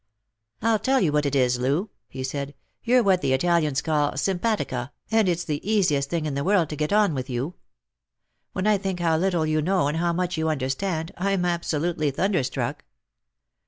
" I tell you what it is, Loo," he said, "you're what the Italians call sympatica, and it's the easiest thing in the world to get on with you. When I think how little you know and how much you understand, I'm absolutely thunderstruck."